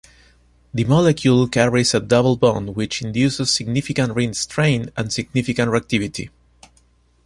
The molecule carries a double bond which induces significant ring strain and significant reactivity.